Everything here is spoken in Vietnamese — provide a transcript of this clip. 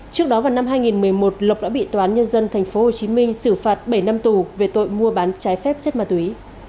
trước đó vào năm hai nghìn một mươi một lộc đã bị toán nhân dân tp hcm xử phạt bảy năm tù về tội mua bán trái phép chất ma túy